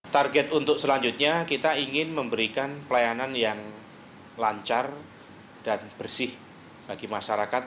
target untuk selanjutnya kita ingin memberikan pelayanan yang lancar dan bersih bagi masyarakat